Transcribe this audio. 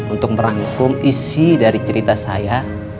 untuk merangkum isi dari cerita saya